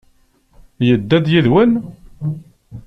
Yedda-d yid-wen?